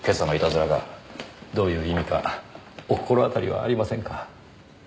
どういう意味かお心当たりはありませんか？